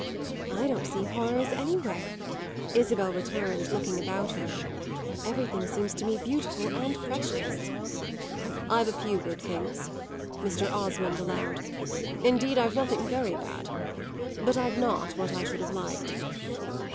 "I don't see any horrors anywhere," Isabel returned, looking about her. "Everything seems to me beautiful and precious." "I've a few good things," Mr. Osmond allowed; "indeed I've nothing very bad. But I've not what I should have liked."